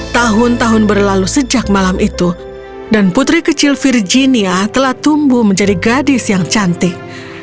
tahun tahun berlalu sejak malam itu dan putri kecil virginia telah tumbuh menjadi gadis yang cantik